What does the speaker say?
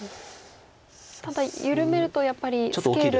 ただ緩めるとやっぱりスケールが。